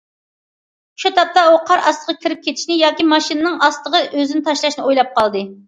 شۇ تاپتا ئۇ قار ئاستىغا كىرىپ كېتىشنى ياكى ماشىنىنىڭ ئاستىغا ئۆزىنى تاشلاشنى ئويلاپ قالدى.